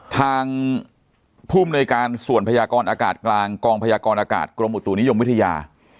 ทางภูมิในการส่วนพยากรอากาศกลางกองพยากรอากาศกรมอุตุนิยมวิทยา